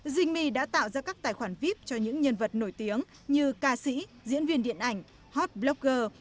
zingy đã tạo ra các tài khoản vip cho những nhân vật nổi tiếng như ca sĩ diễn viên điện ảnh hot blogger